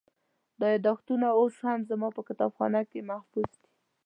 دا یادښتونه اوس هم زما په کتابخانه کې محفوظ دي.